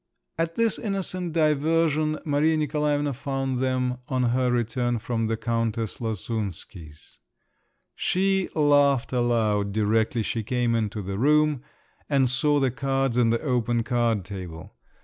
At this innocent diversion Maria Nikolaevna found them on her return from the Countess Lasunsky's. She laughed aloud directly she came into the room and saw the cards and the open card table.